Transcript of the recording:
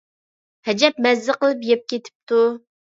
ھەجەپ مەززە قىلىپ يەپ كېتىپتۇ.